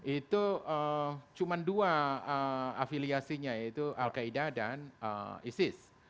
itu cuma dua afiliasinya yaitu al qaeda dan isis